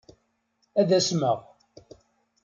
Ad asmeɣ.